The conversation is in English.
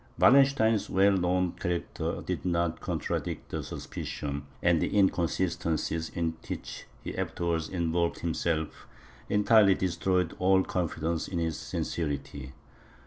Wallenstein's well known character did not contradict the suspicion, and the inconsistencies in which he afterwards involved himself, entirely destroyed all confidence in his sincerity.